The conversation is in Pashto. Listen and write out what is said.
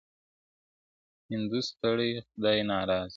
o هندو ستړی، خداى ناراضه!